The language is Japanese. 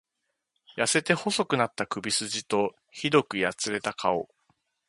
痩せて細くなった首すじと、酷くやつれた顔。